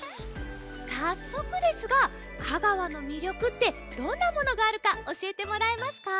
さっそくですが香川のみりょくってどんなものがあるかおしえてもらえますか？